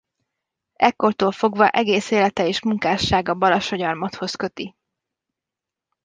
Ekkortól fogva egész élete és munkássága Balassagyarmathoz köti.